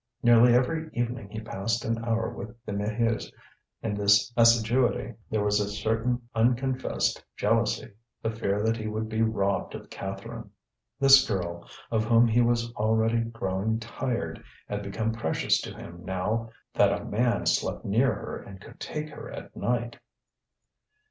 Nearly every evening he passed an hour with the Maheus; in this assiduity there was a certain unconfessed jealousy, the fear that he would be robbed of Catherine. This girl, of whom he was already growing tired, had become precious to him now that a man slept near her and could take her at night.